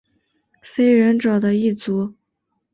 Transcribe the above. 非人者的一族。